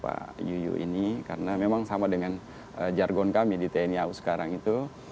pak yuyu ini karena memang sama dengan jargon kami di tni au sekarang itu